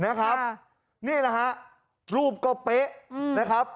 นี่แหละฮะรูปก็เป๊ะนะครับ